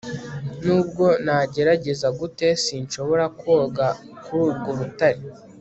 Nubwo nagerageza gute sinshobora koga kuri urwo rutare